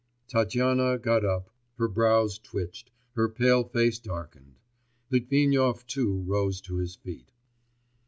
Tatyana got up, her brows twitched, her pale face darkened. Litvinov too rose to his feet.